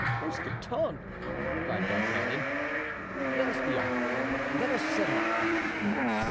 "Mousqueton," cried D'Artagnan, "let us be off! Let us set off."